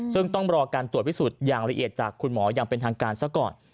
ซึ่งต้องรอการตรวจพิสูจน์อย่างละเอียดจากคุณหมออย่างเป็นทางการซะก่อน